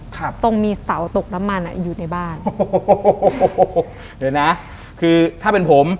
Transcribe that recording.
ครับตรงมีเสาตกน้ำมันอ่ะอยู่ในบ้านโอ้โหเดี๋ยวนะคือถ้าเป็นผม